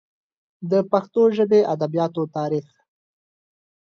د پښتو ژبې ادبیاتو تاریخ